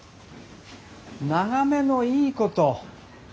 眺めのいいこと。